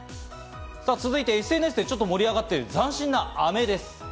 続いてＳＮＳでちょっと盛り上がっている斬新な飴です。